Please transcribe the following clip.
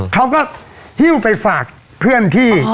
เขาก็หิ้วไปฝากเพื่อนที่